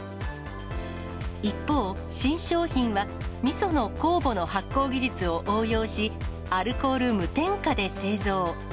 一方、新商品は、みその酵母の発酵技術を応用し、アルコール無添加で製造。